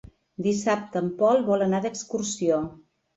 Dissabte en Pol vol anar d'excursió.